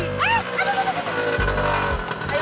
eh aduh aduh aduh